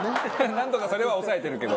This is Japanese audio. なんとかそれは抑えてるけど。